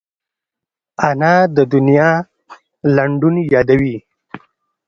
انا د دنیا لنډون یادوي